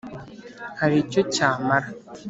Hari icyo cyamara?